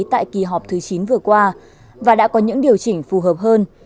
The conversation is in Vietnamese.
tại kỳ họp thứ chín vừa qua và đã có những điều chỉnh phù hợp hơn